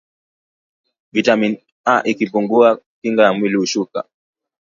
vitamin A ikipungua kinga ya mwili hushuka